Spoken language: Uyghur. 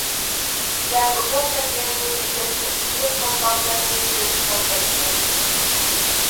كىشىلەر ئۇزۇن چاچلىرىنى كېسىپ، پۆپۈكلۈك قالپاقلىرىنى چۆرۈپ تاشلايتتى.